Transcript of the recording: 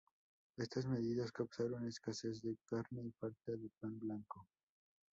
Estas medidas causaron escasez de carne y falta de pan blanco.